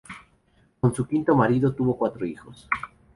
Con su quinto marido tuvo cuatro hijos.